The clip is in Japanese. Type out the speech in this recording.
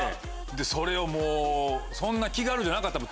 それをもうそんな気軽じゃなかったもん。